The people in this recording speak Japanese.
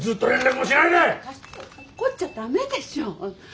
怒っちゃ駄目でしょ！